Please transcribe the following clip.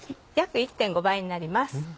約１．５倍になります。